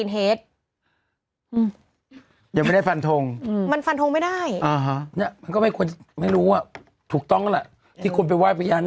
จะมันได้ฟันธงไม่ได้ก็ไม่ควรไม่รู้ว่าถูกต้องที่ควรไปไหว้บริญญาณ